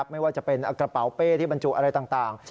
ไม่ว่าจะเป็นกระเป๋าเป้ที่บรรจุอะไรต่าง